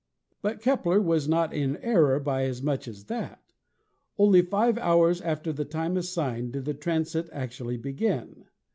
But Kepler was not in error by as much as that. Only five hours after the time assigned did the transit actually begin.